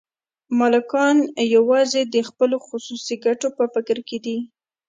مالکان یوازې د خپلو خصوصي ګټو په فکر کې دي